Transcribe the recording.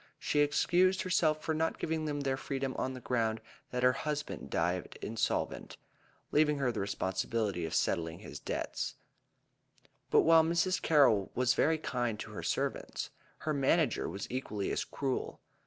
She excused herself for not giving them their freedom on the ground that her husband died insolvent, leaving her the responsibility of settling his debts. But while Mrs. Carroll was very kind to her servants, her manager was equally as cruel.